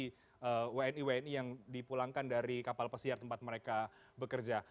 dan juga ada yang di wni wni yang dipulangkan dari kapal pesiar tempat mereka bekerja